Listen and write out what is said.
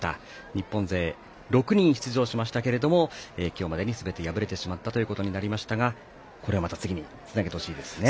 日本勢６人出場しましたが今日までに、すべて敗れてしまったということになりましたがこれまた次につなげてほしいですね。